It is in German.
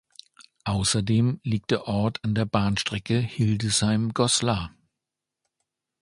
Außerdem liegt der Ort an der Bahnstrecke Hildesheim–Goslar.